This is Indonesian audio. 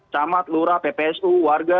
camat lura ppsu warga